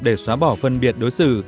để xóa bỏ phân biệt đối xử